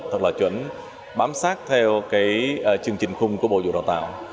thật là chuẩn bám sát theo chương trình khung của bộ dụng đào tạo